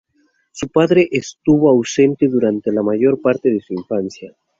Su padre estuvo ausente durante la mayor parte de su infancia.